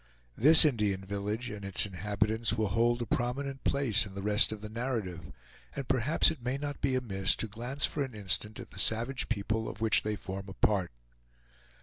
This Indian village and its inhabitants will hold a prominent place in the rest of the narrative, and perhaps it may not be amiss to glance for an instant at the savage people of which they form a part.